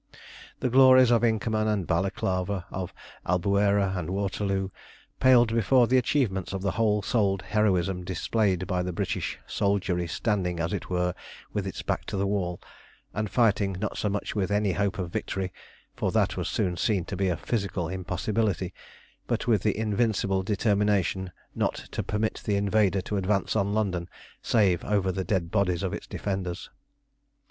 The glories of Inkermann and Balaclava, of Albuera and Waterloo, paled before the achievements of the whole souled heroism displayed by the British soldiery standing, as it were, with its back to the wall, and fighting, not so much with any hope of victory, for that was soon seen to be a physical impossibility, but with the invincible determination not to permit the invader to advance on London save over the dead bodies of its defenders.